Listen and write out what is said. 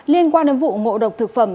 liên quan đến vụ mộ độc thực phẩm